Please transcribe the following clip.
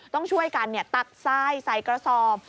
ต้องช่วยกันตักทรายใส่กระสอบ